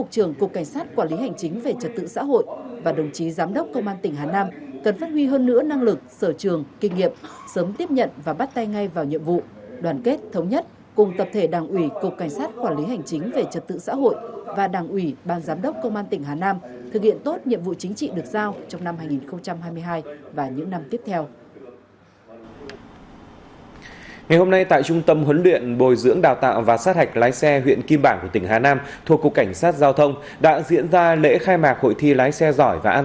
trong quyết định điều động và bổ nhiệm đại tá tô anh dũng phó cục trưởng cục cảnh sát quản lý hành chính về trật tự xã hội bộ công an đến nhận công tác và giữ chức vụ giám đốc công an